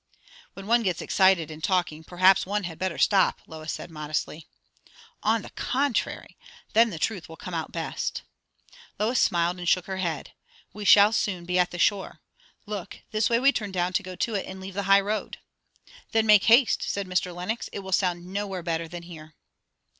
"When one gets excited in talking, perhaps one had better stop," Lois said modestly. "On the contrary! Then the truth will come out best." Lois smiled and shook her head. "We shall soon be at the shore. Look, this way we turn down to go to it, and leave the high road." "Then make haste!" said Mr. Lenox. "It will sound nowhere better than here."